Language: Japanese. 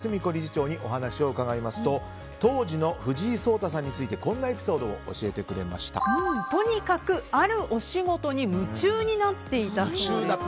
横浜・モンテッソーリ幼稚園の高根澄子理事長にお話を伺いますと当時の藤井聡太さんについてこんなエピソードをとにかく、あるおしごとに夢中になっていたそうです。